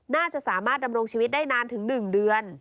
น่าจะสามารถดำรงชีวิตได้นานถึง๑เดือน